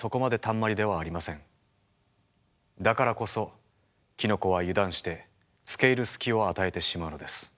だからこそキノコは油断してつけいる隙を与えてしまうのです。